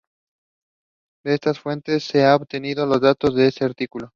De estas fuentes se han obtenido los datos de este artículo.